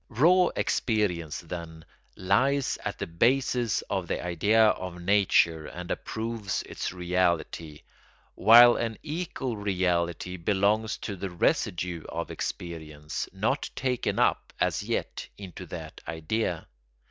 Raw experience, then, lies at the basis of the idea of nature and approves its reality; while an equal reality belongs to the residue of experience, not taken up, as yet, into that idea.